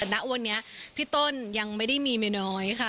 แต่ณวันนี้พี่ต้นยังไม่ได้มีเมียน้อยค่ะ